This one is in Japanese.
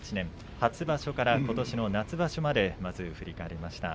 初場所からことしの夏場所までまず振り返りました。